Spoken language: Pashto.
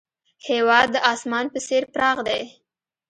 هېواد د اسمان په څېر پراخ دی.